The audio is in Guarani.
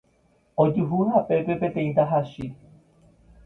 ojuhu hapépe peteĩ tahachi